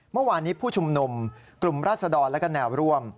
เมื่อวานนี้ผู้ชุมนุมกลุ่มราศดรและก็แนวร่วม